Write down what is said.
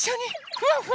ふわふわ。